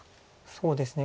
そうですね。